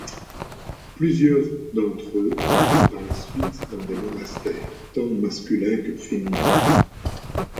Plusieurs d'entre eux entrent par la suite dans des monastères, tant masculins que féminins.